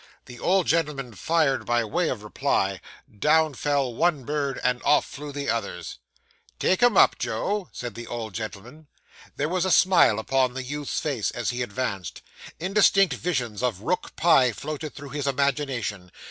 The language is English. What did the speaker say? The old gentleman fired by way of reply. Down fell one bird, and off flew the others. 'Take him up, Joe,' said the old gentleman. There was a smile upon the youth's face as he advanced. Indistinct visions of rook pie floated through his imagination.